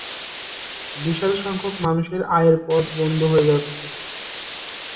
বিশাল সংখ্যক মানুষের আয়ের পথ বন্ধ হয়ে যাচ্ছে।